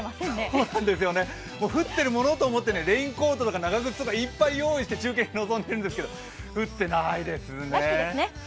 そうなんですよね、降っているものと思ってレインコートとか長靴とかいっぱい用意して中継に臨んでるんですけど、降ってないですね。